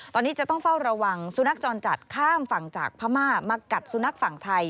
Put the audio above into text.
ตอนนี้จะต้องเฝ้าระวังสุนัขจรจัดข้ามฝั่งจากพม่ามากัดสุนัขฝั่งไทย